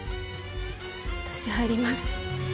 私入ります。